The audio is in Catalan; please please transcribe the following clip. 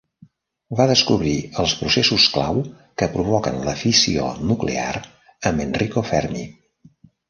Va descobrir els processos clau que provoquen la fissió nuclear amb Enrico Fermi.